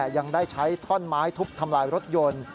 ยังได้ใช้ท่อนไม้ทุบทำลายรถยนต์